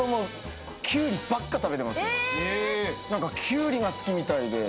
キュウリが好きみたいで。